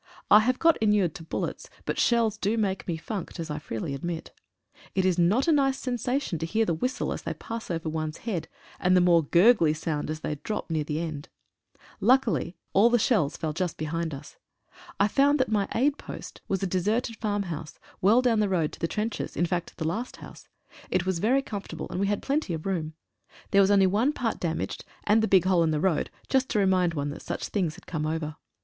I have got inured to bullets, but shells do make me funked, as I freely admit. It is not a nice sensation to hear the whistle as they pass over one's head, and the more gurgly sound as they dropped near the end. Luckily all the 34 "A YOUNG QUEENSLANDER " One of the Stations in the fighting line. AN AID POST. shells fell just behind us. I found that my aid post was a deserted farm house, well down the road to the trenches, in fact, the last house. It was very comfort able, and we had plenty of room. There was only one part damaged, and the big hole in the road just to re mind one that such things had come over.